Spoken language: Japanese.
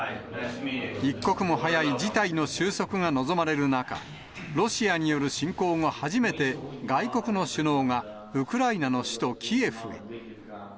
一刻も早い事態の収束が望まれる中、ロシアによる侵攻後、初めて外国の首脳がウクライナの首都キエフへ。